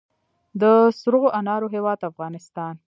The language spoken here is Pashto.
د سرو انارو هیواد افغانستان.